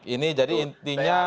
ini jadi intinya